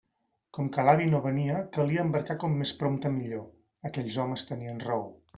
Com que l'avi no venia, calia embarcar com més prompte millor; aquells homes tenien raó.